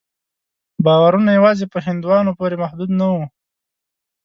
باورونه یوازې په هندوانو پورې محدود نه وو.